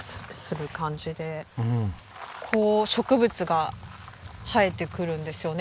植物が生えてくるんですよね。